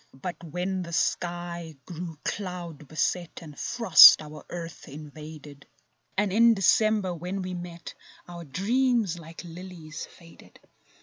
But when the sky grew cloud beset, And frost our earth invaded, And in December when we met— Our dreams, like lilies, faded.